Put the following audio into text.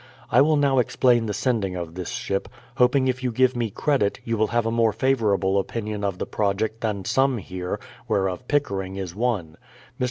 ... I will now explain the sending of this ship, hoping if you give me credit, you will have a more favourable opinion of the project than some 'here, whereof Pickering is one. ... Mr.